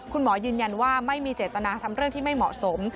คุณหมอยืนยันว่าไม่มีเจตนาทำเรื่องที่ไม่เหมาะสม